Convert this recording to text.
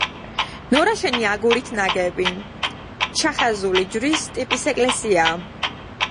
ნორაშენი აგურით ნაგები, „ჩახაზული ჯვრის“ ტიპის ეკლესიაა.